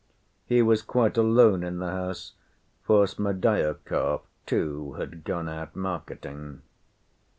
He was quite alone in the house, for Smerdyakov too had gone out marketing.